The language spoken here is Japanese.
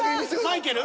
マイケル？